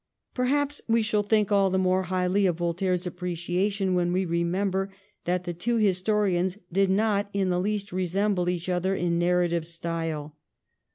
Perhaps we shall think all the more highly of Voltaire's appreciation when we remember that the two historians did not in the least resemble each other in narrative style.